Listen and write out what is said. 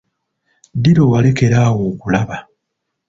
Ddi lwe walekerawo okulaba?